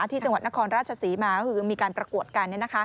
ที่จังหวัดนครราชศรีมาก็คือมีการประกวดกัน